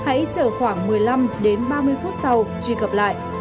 nếu không được hãy chờ khoảng một mươi năm ba mươi phút sau truy cập lại